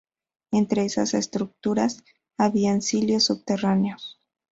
Entre esas estructuras había silos subterráneos.